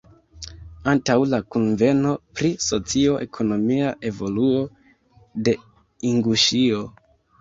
Antaŭ la kunveno pri socio-ekonomia evoluo de Inguŝio.